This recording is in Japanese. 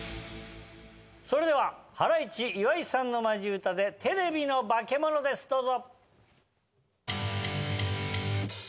それではハライチ岩井さんのマジ歌で『テレビのバケモノ』ですどうぞ。